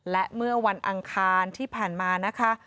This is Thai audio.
และเมื่อวันอังคารที่ผ่านมานะคะ